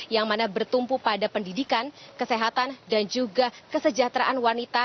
yang mana bertumpu pada pendidikan kesehatan dan juga kesejahteraan wanita